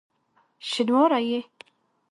شینواری یې؟!